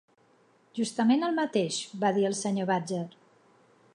"Justament el mateix", va dir el senyor Badger.